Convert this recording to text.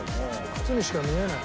靴にしか見えない。